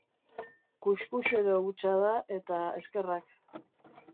Kuxkuxero hutsa da eta eskerrak.